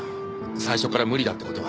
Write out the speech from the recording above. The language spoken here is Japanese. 最初から無理だって事は。